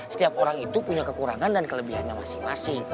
setiap orang itu punya kekurangan dan kelebihannya masing masing